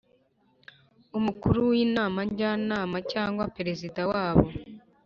Umukuru w’Inama Njyanama cyangwa Perezida wa bo